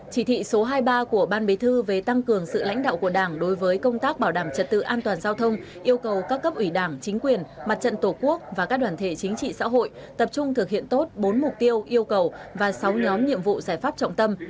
chỉ thị số hai mươi ba của ban bế thư về tăng cường sự lãnh đạo của đảng đối với công tác bảo đảm trật tự an toàn giao thông yêu cầu các cấp ủy đảng chính quyền mặt trận tổ quốc và các đoàn thể chính trị xã hội tập trung thực hiện tốt bốn mục tiêu yêu cầu và sáu nhóm nhiệm vụ giải pháp trọng tâm